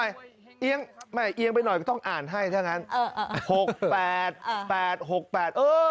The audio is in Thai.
เพื่อยืองไปหน่อยก็ต้องอ่านให้เฉพาะ